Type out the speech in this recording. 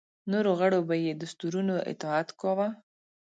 نورو غړو به یې دستورونو اطاعت کاوه.